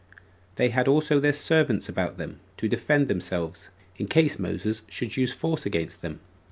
They had also their servants about them to defend themselves, in case Moses should use force against them.